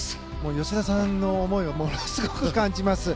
吉田さんの思いをものすごく感じます。